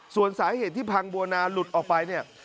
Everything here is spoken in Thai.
ส่วนสาเหตุที่พังบัวนาหลุดออกไปเนี่ย